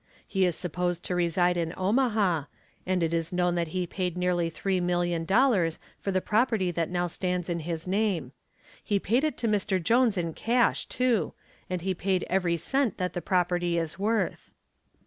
He is supposed to reside in Omaha, and it is known that he paid nearly three million dollars for the property that now stands in his name. He paid it to Mr. Jones in cash, too, and he paid every cent that the property is worth."